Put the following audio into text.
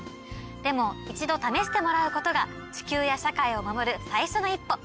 でも一度試してもらうことが地球や社会を守る最初の一歩。